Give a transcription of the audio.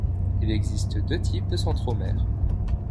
Il existe deux types de centromères.